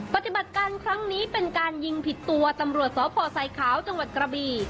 ปฏิบัติการครั้งนี้เป็นการยิงผิดตัวตำรวจสพสายขาวจังหวัดกระบี